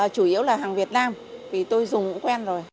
chủ yếu là hàng việt nam vì tôi dùng cũng quen rồi